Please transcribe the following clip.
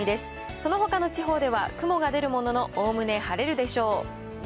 そのほかの地方では雲が出るものの、おおむね晴れるでしょう。